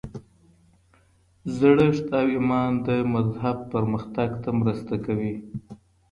زړښت او ایمان د مذهب پرمختګ ته مرسته کوي.